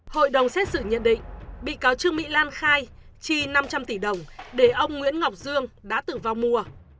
hội đồng xét xử nhận định bị cáo trương mỹ lan khai chi năm trăm linh tỷ đồng để ông nguyễn ngọc dương đã tử vong mua